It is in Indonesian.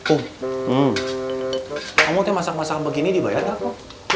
oh kamu tuh masak masak begini dibayar nggak kum